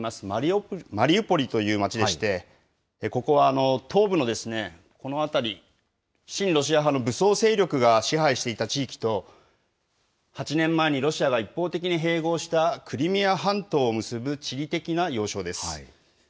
マリウポリという街でして、ここは東部のこの辺り、親ロシア派の武装勢力が支配していた地域と、８年前にロシアが一方的に併合したクリミア半島を結ぶ地理的な要衝です。